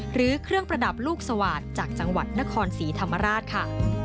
หรือเครื่องประดับลูกสวาดจากจังหวัดนครศรีธรรมราชค่ะ